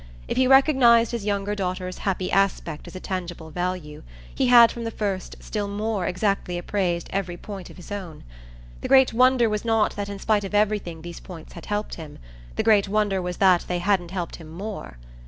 If he recognised his younger daughter's happy aspect as a tangible value, he had from the first still more exactly appraised every point of his own. The great wonder was not that in spite of everything these points had helped him; the great wonder was that they hadn't helped him more.